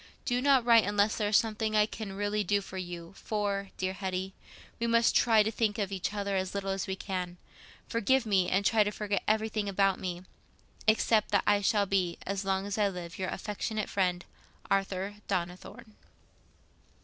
Do not write unless there is something I can really do for you; for, dear Hetty, we must try to think of each other as little as we can. Forgive me, and try to forget everything about me, except that I shall be, as long as I live, your affectionate friend, "ARTHUR DONNITHORNE."